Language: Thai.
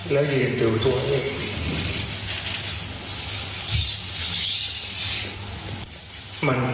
แล้วเย็นตัวเอง